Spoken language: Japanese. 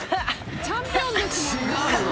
チャンピオンですもんね。